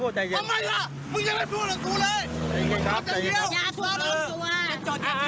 มันจอดอย่างง่ายอย่างง่ายอย่างง่าย